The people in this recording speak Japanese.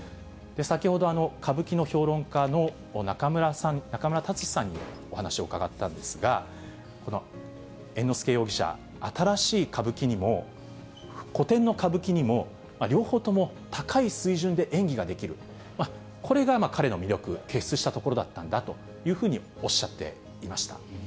先ほど、歌舞伎の評論家の中村さん、中村達史さんにお話を伺ったんですが、この猿之助容疑者、新しい歌舞伎にも古典の歌舞伎にも、両方とも高い水準で演技ができる、これが彼の魅力、傑出したところだったんだというふうにもおっしゃっていました。